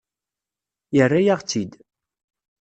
Yerra-yaɣ-tt-id.